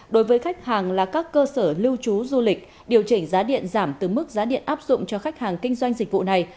đối với khách hàng là các cơ sở lưu trú du lịch điều chỉnh giá điện giảm từ mức giá điện áp dụng cho khách hàng kinh doanh dịch vụ này